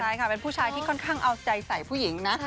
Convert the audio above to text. ใช่ค่ะเป็นผู้ชายที่ค่อนข้างเอาใจใส่ผู้หญิงนะ